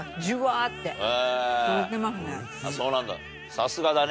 さすがだね